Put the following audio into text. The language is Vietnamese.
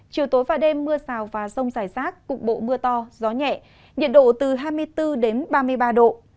chiều tối và đêm mưa rào và rông rải rác cục bộ mưa to gió nhẹ nhiệt độ từ hai mươi bốn đến ba mươi ba độ